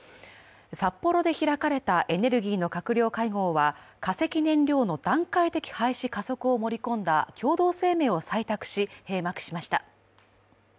札幌で開かれたエネルギーの閣僚会合は化石燃料の段階的廃止加速を盛り込んだ共同声明を採択し閉幕しました。